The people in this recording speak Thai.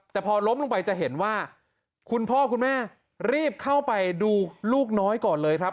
แต่พอล้มลงไปจะเห็นว่าคุณพ่อคุณแม่รีบเข้าไปดูลูกน้อยก่อนเลยครับ